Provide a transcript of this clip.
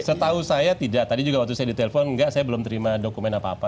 setahu saya tidak tadi juga waktu saya ditelepon enggak saya belum terima dokumen apa apa